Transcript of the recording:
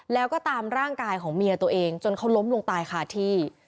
แล้วก็ตามร่างกายของเมียตัวเองจนเขาล้มลงตายคาที่